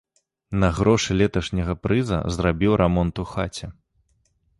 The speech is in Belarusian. На грошы леташняга прыза зрабіў рамонт у хаце.